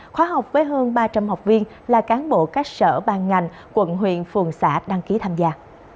khóa học với hơn ba trăm linh học viên là cán bộ các sở ban ngành quận huyện phường xã đăng ký tham gia